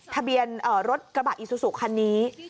ทะเบียนรถกระบะอีซูซูคันนี้